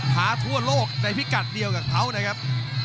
ท้าทั่วโลกในพิกัดเดียวกับเขานะครับ